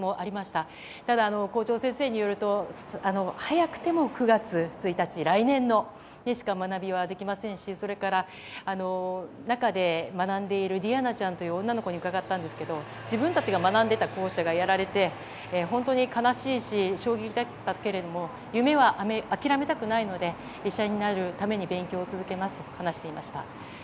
ただ、校長先生によると早くても９月１日来年度にしか学びはできませんしそれから、中で学んでいるディアナちゃんという女の子に伺ったんですけど自分たちが学んでいた校舎がやられて本当に悲しいし衝撃だったけれど夢は諦めたくないので医者になるために勉強を続けますと話していました。